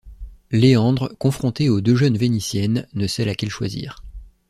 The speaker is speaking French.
Léandre, confrontée aux deux jeunes Vénitiennes, ne sait laquelle choisir.